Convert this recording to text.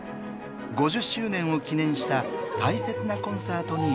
５０周年を記念した大切なコンサートに挑みました。